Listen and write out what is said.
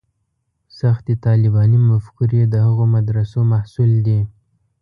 سختې طالباني مفکورې د هغو مدرسو محصول دي.